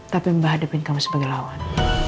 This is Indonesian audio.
tapi mbak hadapin kamu sebagai lawan